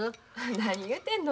何言うてんの。